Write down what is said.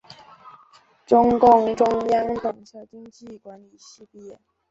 中共中央党校经济管理系毕业。